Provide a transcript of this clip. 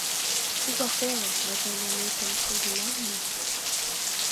Тугак ойло, мый тыйын ометым ужынам мо?